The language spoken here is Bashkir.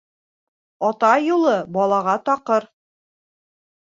Ата юлы балаға таҡыр.